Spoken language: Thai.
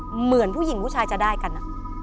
เหมือนผู้หญิงผู้ชายจะได้กัน